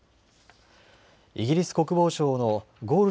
イギリス国防省のゴール